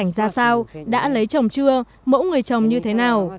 nhưng năm nay bao nhiêu tuổi nhà ở đâu ra cảnh ra sao đã lấy chồng chưa mẫu người chồng như thế nào